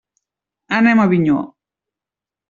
Anem a Avinyó.